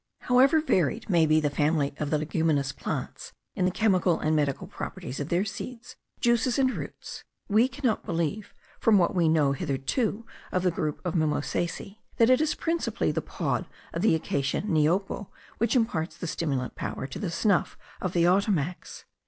However varied may be the family of the leguminous plants in the chemical and medical properties of their seeds, juices, and roots, we cannot believe, from what we know hitherto of the group of mimosaceae, that it is principally the pod of the Acacia niopo which imparts the stimulant power to the snuff of the Ottomacs.